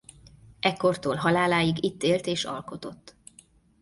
Ekkortól haláláig itt élt és alkotott.